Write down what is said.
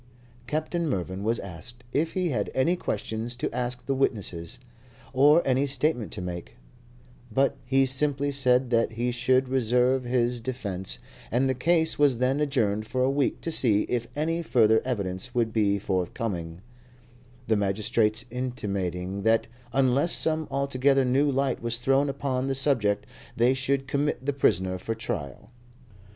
Captain Mervyn was asked if he had any questions to ask the witnesses, or any statement to make; but he simply said that he should reserve his defence, and the case was then adjourned for a week to see if any further evidence would be forthcoming, the magistrates intimating that unless some altogether new light was thrown upon the subject they should commit the prisoner for trial.